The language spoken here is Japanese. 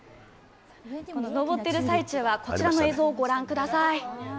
上ってる最中は、こちらの映像をご覧ください。